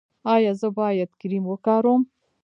ایا زه باید کریم وکاروم؟